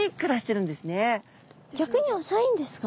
逆に浅いんですか？